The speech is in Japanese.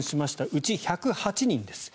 うち１０８人です。